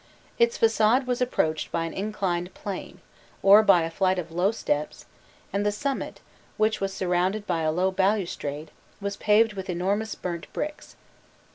Its facade was approached by an inclined plane, or by a flight of low steps, and the summit, which was surrounded by a low balustrade, was paved with enormous burnt bricks.